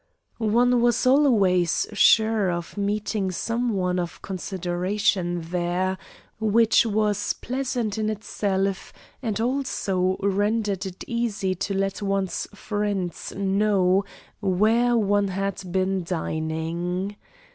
One was always sure of meeting some one of consideration there, which was pleasant in itself, and also rendered it easy to let one's friends know where one had been dining.